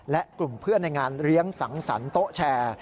และกลุ่มเพื่อนในงานเลี้ยงสังสรรค์โต๊ะแชร์